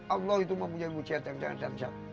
allah itu mempunyai ujian yang jangan terjatuh